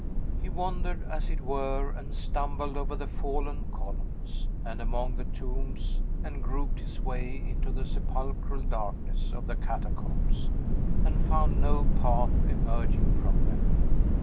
He wandered, as it were, and stumbled over the fallen columns, and among the tombs, and groped his way into the sepulchral darkness of the catacombs, and found no path emerging from them.